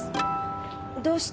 どうして？